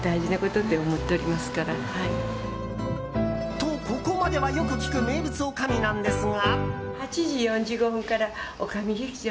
と、ここまではよく聞く名物おかみなんですが。